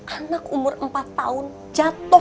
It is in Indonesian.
anak umur empat tahun jatuh